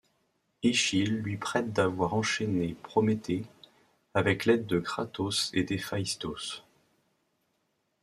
Eschyle lui prête d'avoir enchaîné Prométhée, avec l'aide de Kratos et d'Héphaïstos.